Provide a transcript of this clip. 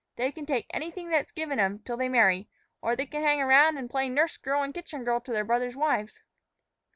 They can take anything that's given 'em till they marry; or they can hang around an' play nurse girl an' kitchen girl to their brothers' wives."